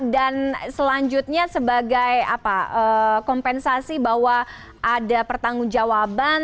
dan selanjutnya sebagai kompensasi bahwa ada pertanggung jawaban